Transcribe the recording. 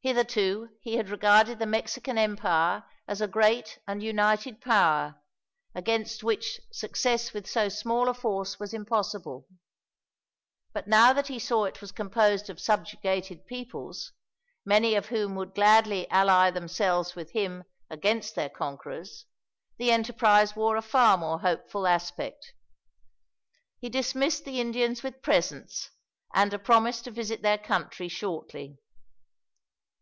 Hitherto he had regarded the Mexican Empire as a great and united power, against which success with so small a force was impossible; but now that he saw it was composed of subjugated peoples, many of whom would gladly ally themselves with him against their conquerors, the enterprise wore a far more hopeful aspect. He dismissed the Indians with presents, and a promise to visit their country, shortly.